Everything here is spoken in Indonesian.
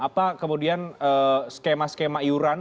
apa kemudian skema skema iuran